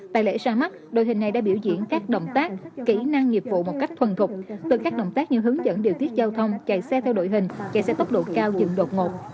tại lễ ra mắt đội hình này đã biểu diễn các động tác kỹ năng nghiệp vụ một cách thuần thục từ các động tác như hướng dẫn điều tiết giao thông chạy xe theo đội hình chạy xe tốc độ cao dừng đột ngột